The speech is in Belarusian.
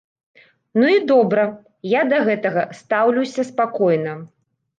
Ну і добра, я да гэтага стаўлюся спакойна.